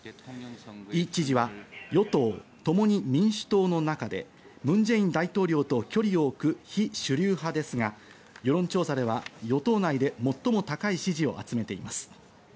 イ知事は与党「共に民主党」の中でムン・ジェイン大統領と距離を置く非主流派ですが、世論調査では与党内で最も高い支持を集めています。